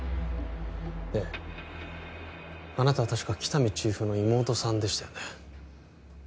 ええあなたは確か喜多見チーフの妹さんでしたよね